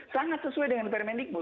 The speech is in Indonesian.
sangat sesuai dengan permendikbud